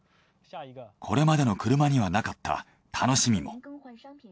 これまでの車にはなかった楽しみも。